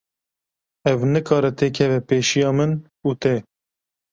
Ev nikare têkeve pêşiya min û te.